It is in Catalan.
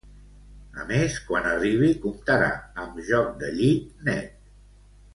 A més, quan arribi comptarà amb joc de llit net.